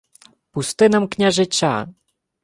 — Пусти нам княжича.